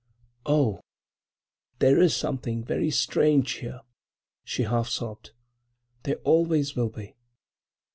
"Oh, there is something very strange here," she half sobbed. "There always will be."